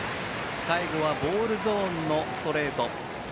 最後はボールゾーンのストレート。